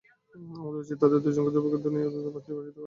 আমাদের উচিত তাদের দুজনকেই দুর্ভাগ্যের দুনিয়ায় নির্বাসিত করা।